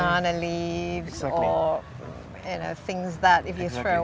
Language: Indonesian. atau hal hal yang bisa dikeluarkan